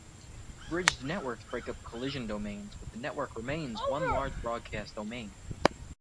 Bridged networks break up collision domains, but the network remains one large broadcast domain.